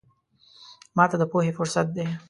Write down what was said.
ماته د پوهې فرصت دی.